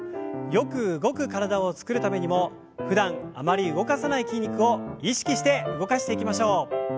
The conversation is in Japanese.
よく動く体を作るためにもふだんあまり動かさない筋肉を意識して動かしていきましょう。